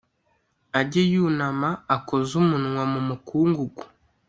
ajye yunama akoze umunwa mu mukungugu: